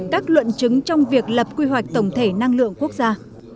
các luận chứng trong việc lập quy hoạch tổng thể năng lượng quốc gia